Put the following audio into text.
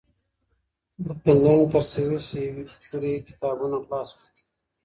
له فنلنډه تر سويس پورې کتابونه غلا شول.